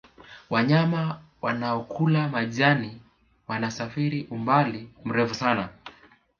wanyama wanaokula majani wanasafiri umbali mrefu sana